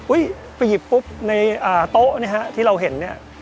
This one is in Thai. อุ๊ยไปหยิบปุ๊บในโต๊ะที่เราเห็น